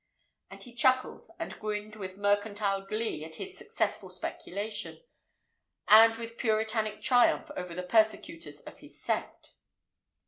And he chuckled and grinned with mercantile glee at his successful speculation, and with puritanic triumph over the persecutors of his sect.